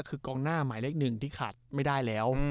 คือกองหน้าที่ปัดไม่ได้แล้ว